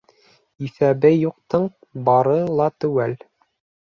Иҫәбе юҡтың бары ла теүәл.